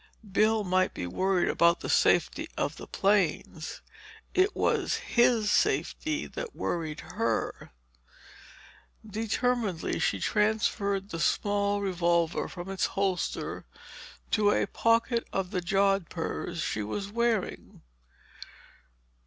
Bill might be worried about the safety of the planes; it was his safety that worried her. Determinedly she transferred the small revolver from its holster to a pocket of the jodhpurs she was wearing.